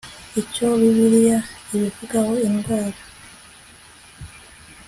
icyo bibiliya ibivugaho indwara